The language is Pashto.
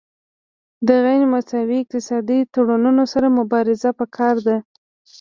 د غیر مساوي اقتصادي تړونونو سره مبارزه پکار ده